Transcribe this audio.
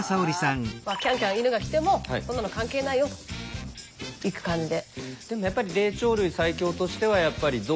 キャンキャン犬が来てもそんなの関係ないよといく感じで。